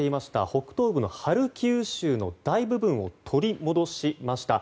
北東部のハルキウ州の大部分を取り戻しました。